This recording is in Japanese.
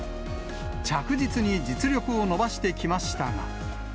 着実に実力を伸ばしてきましたが。